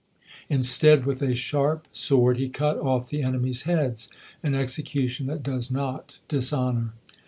Instead with a sharp sword he cut off the enemies' heads, an execution that does not dishonor.